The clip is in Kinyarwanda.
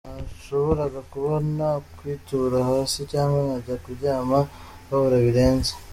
Nashoboraga kuba nakwitura hasi cyangwa nkajya kuryama mbabara birenze.